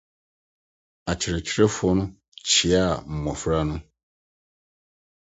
Akyerɛkyerɛfo no kyiaa mmofra no.